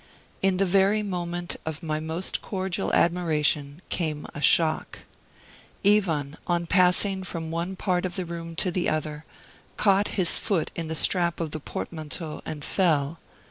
In the very moment of my most cordial admiration came a shock. Ivan, on passing from one part of the room to the other, caught his foot in the strap of the portmanteau and fell.